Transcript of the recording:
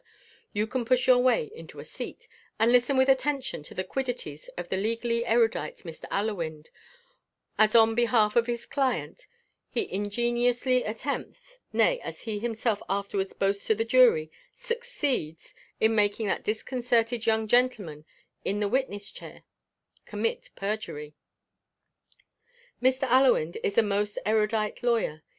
you can push your way into a seat, and listen with attention to the quiddities of the legally erudite Mr. Allewinde, as on behalf of his client he ingeniously attempts nay, as he himself afterwards boasts to the jury, succeeds in making that disconcerted young gentleman in the witness chair commit perjury. Mr. Allewinde is a most erudite lawyer.